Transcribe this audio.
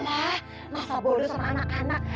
elah masa bodoh sama anak anak